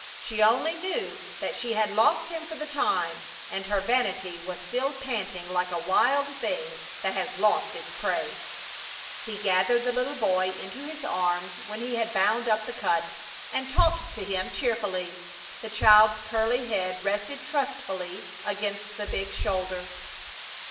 She only knew that she had lost him for the time, and her vanity was still panting like a wild thing that has lost its prey. He gathered the little boy into his arms when he had bound up the cut, and talked to him cheerfully. The child's curly head rested trustfully against the big shoulder.